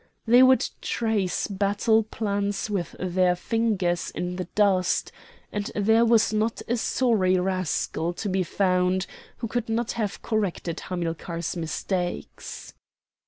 They would trace battle plans with their fingers in the dust, and there was not a sorry rascal to be found who could not have corrected Hamilcar's mistakes.